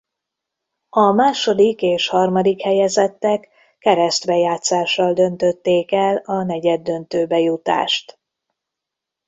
A második és harmadik helyezettek keresztbe játszással döntötték el a negyeddöntőbe jutást.